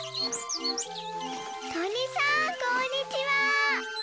とりさんこんにちは！